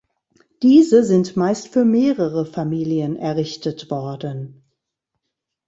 Diese sind meist für mehrere Familien errichtet worden.